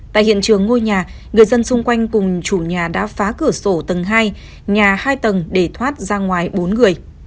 tại hiện trường ngôi nhà người dân xung quanh cùng chủ nhà đã phá cửa sổ tầng hai nhà hai tầng để thoát ra ngoài bốn người